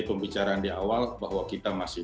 pembicaraan di awal bahwa kita masih